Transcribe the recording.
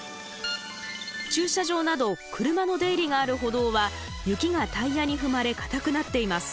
駐車場など車の出入りがある歩道は雪がタイヤに踏まれ固くなっています。